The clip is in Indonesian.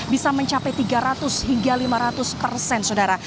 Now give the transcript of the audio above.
bisa mencapai tiga ratus hingga lima ratus persen saudara